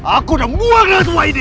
aku udah muak dengan semua ini